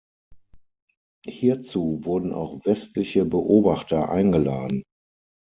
Hierzu wurden auch westliche Beobachter eingeladen.